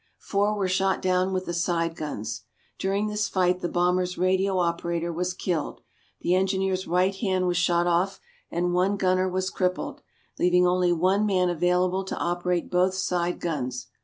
Four were shot down with the side guns. During this fight, the bomber's radio operator was killed, the engineer's right hand was shot off, and one gunner was crippled, leaving only one man available to operate both side guns.